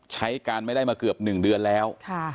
ใช้การไม่ได้มาเกือบ๑เดือนแล้ว